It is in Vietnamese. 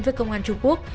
với công an trung quốc